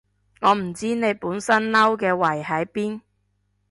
我唔知你本身嬲嘅位喺邊